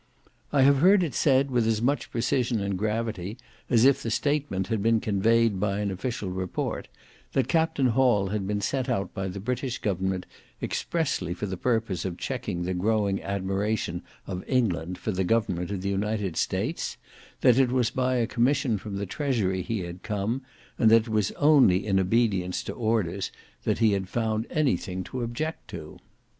I have heard it said with as much precision and gravity as if the statement had been conveyed by an official report, that Capt. Hall had been sent out by the British government expressly for the purpose of checking the growing admiration of England for the government of the United States, that it was by a commission from the Treasury he had come, and that it was only in obedience to orders that he had found anything to object to.